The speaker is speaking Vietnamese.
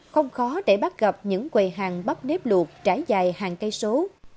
không khó để bắt gặp những quầy hàng bắp nếp luộc trải dài hàng cây số